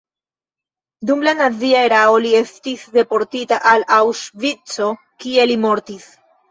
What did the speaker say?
Dum la nazia erao li estis deportita al Aŭŝvico, kie li mortis.